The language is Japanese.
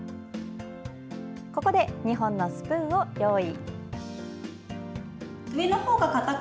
ここで、２本のスプーンを用意。